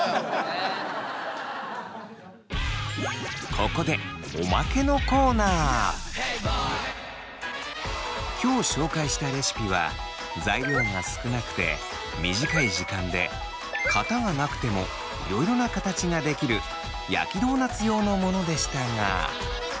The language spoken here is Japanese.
ここで今日紹介したレシピは材料が少なくて短い時間で型がなくてもいろいろな形ができる焼きドーナツ用のものでしたが。